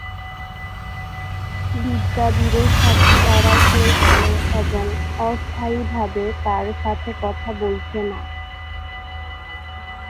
বিদ্যা বীরের সাথে লড়াই করেছিল এবং অস্থায়ীভাবে তার সাথে কথা বলছে না।